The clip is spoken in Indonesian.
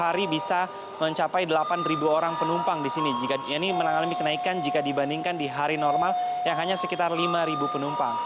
hari bisa mencapai delapan orang penumpang di sini ini mengalami kenaikan jika dibandingkan di hari normal yang hanya sekitar lima penumpang